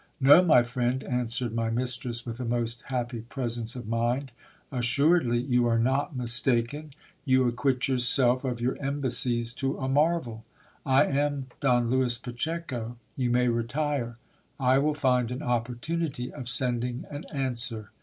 No, my friend, answered my mistress with a most happy presence of mind, assuredly you are not mistaken. You acquit yourself of your embassies to a marvel. I am Don Lewis Pacheco. You may retire ! I will find an opportunity of sending an answer.